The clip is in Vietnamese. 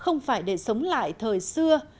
không phải để sống lại thời xưa